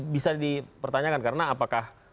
bisa dipertanyakan karena apakah